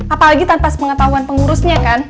apalagi tanpa sepengetahuan pengurusnya kan